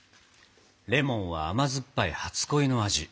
レモンは甘酸っぱい初恋の味